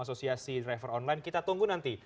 asosiasi driver online kita tunggu nanti